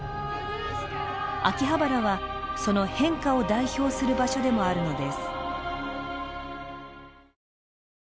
秋葉原はその変化を代表する場所でもあるのです。